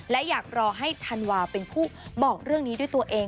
และอยากรอให้ธันวาเป็นผู้บอกเรื่องนี้ด้วยตัวเอง